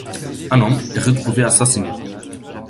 Un homme est retrouvé assassiné.